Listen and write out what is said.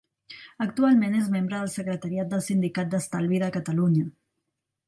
Actualment és membre del secretariat del Sindicat d'Estalvi de Catalunya.